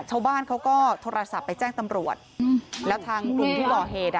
ชาวบ้านเขาก็โทรศัพท์ไปแจ้งตำรวจแล้วทางกลุ่มที่ก่อเหตุอ่ะ